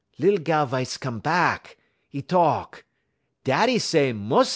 "Lil gal v'ice come bahk. 'E talk: "'Daddy say mus'n'.'